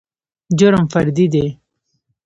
جرم فردي دى.